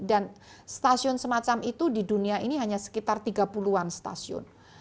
dan stasiun semacam itu di dunia ini hanya sekitar tiga puluh an stasiun